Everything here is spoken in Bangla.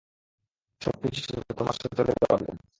সবকিছু ছেড়ে তোমার সাথে চলে যাওয়ার জন্য।